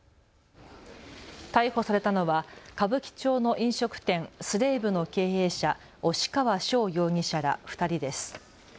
逮捕されたのは歌舞伎町の飲食店、Ｓｌａｖｅの経営者押川翔容疑者ら２人です。